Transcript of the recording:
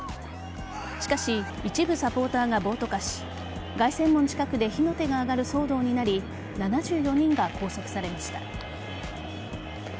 しかし一部サポーターが暴徒化し凱旋門近くで火の手が上がる騒動になり７４人が拘束されました。